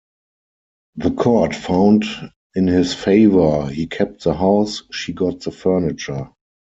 The court found in his favor, he kept the house, she got the furniture.